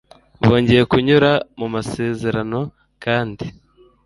bongeye kunyura mu masezerano kandi